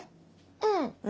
うん。